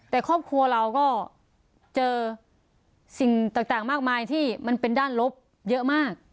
แต่ครอบครัวเราก็เจอสิ่งต่างมากมายที่มันเป็นด้านลบเยอะมาก